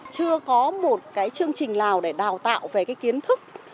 chưa có một cái chương trình nào để đào tạo về cái kiến thức